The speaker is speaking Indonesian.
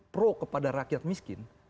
pro kepada rakyat miskin